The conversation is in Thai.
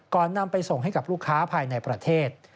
นำไปส่งให้กับลูกค้าภายในประเทศ